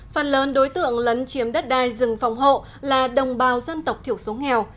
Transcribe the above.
phần lớn đối tượng lấn chiếm đất đai rừng phòng hộ là đồng bào dân tộc thiểu số nghèo